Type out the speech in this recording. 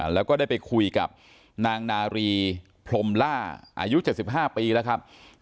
แล้วก็ได้ไปคุยกับนางนารีพรมล่าอายุ๗๕ปีแล้วครับ